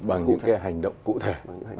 bằng những cái hành động cụ thể